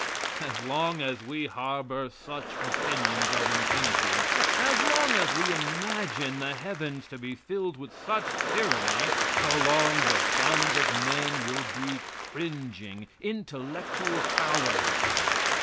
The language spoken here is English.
As long as we harbor such opinions of Infinity; as long as we imagine the heavens to be filled with such tyranny, so long the sons of men will be cringing, intellectual cowards.